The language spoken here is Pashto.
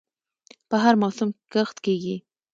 په هر موسم کې کښت کیږي.